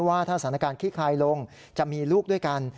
ว่าถ้าสถานการณ์ขี้คายลงจะมีลูกด้วยกัน